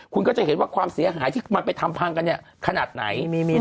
คุณก็จะเห็นว่าความเสียหายที่มันไปทำพังกันเนี่ยขนาดไหน